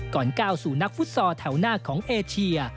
ก้าวสู่นักฟุตซอลแถวหน้าของเอเชีย